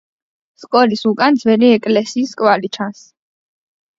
სკოლის უკან ძველი ეკლესიის კვალი ჩანს.